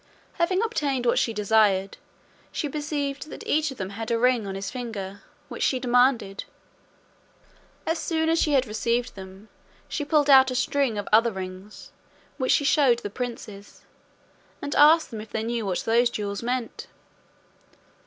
Having obtained what she desired, she perceived that each of them had a ring on his finger, which she demanded. As soon as she had received them, she pulled out a string of other rings, which she shewed the princes, and asked them if they knew what those jewels meant?